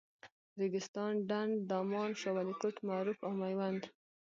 ریګستان، ډنډ، دامان، شاولیکوټ، معروف او میوند.